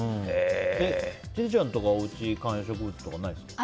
千里ちゃんとか、おうち観葉植物とかないですか？